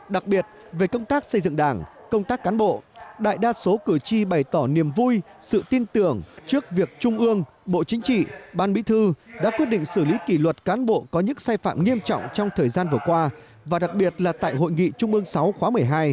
đặc biệt về công tác xây dựng đảng công tác cán bộ đại đa số cử tri bày tỏ niềm vui sự tin tưởng trước việc trung ương bộ chính trị ban bí thư đã quyết định xử lý kỷ luật cán bộ có những sai phạm nghiêm trọng trong thời gian vừa qua và đặc biệt là tại hội nghị trung ương sáu khóa một mươi hai